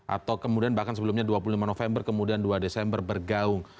atau kemudian bahkan sebelumnya dua puluh lima november kemudian dua desember bergaung